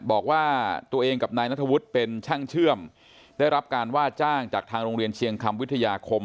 บอกว่าตัวเองกับนายนัทวุฒิเป็นช่างเชื่อมได้รับการว่าจ้างจากทางโรงเรียนเชียงคำวิทยาคม